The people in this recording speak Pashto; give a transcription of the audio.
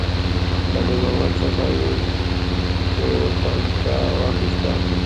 له نور محمد څخه یې توپنچه واخیستله.